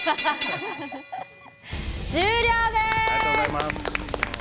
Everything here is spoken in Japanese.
終了です！